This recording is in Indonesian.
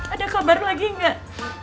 ada kabar lagi gak